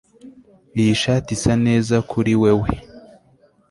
Iyi shati isa neza kuri wewe